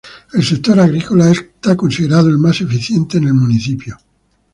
El sector Agrícola, es considerado el más eficiente en el Municipio.